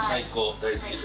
大好きです。